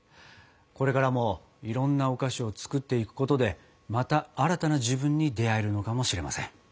これからもいろんなお菓子を作っていくことでまた新たな自分に出会えるのかもしれません。